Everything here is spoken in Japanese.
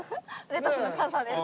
レタスの傘ですか？